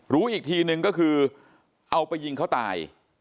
รู้อีกทีนึงก็คือเอาไปยิงเขาตาย